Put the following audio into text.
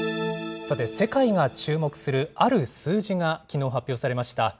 さて、世界が注目するある数字がきのう発表されました。